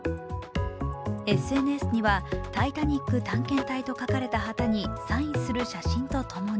ＳＮＳには「タイタニック探索隊」と書かれた旗にサインする写真と共に、